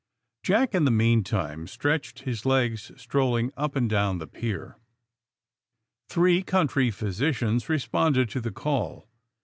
Jack, in the meantime, stretched his legs stroll ing up and down the pier. Three country physicians responded to the call.